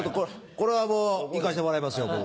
これは行かせてもらいますよ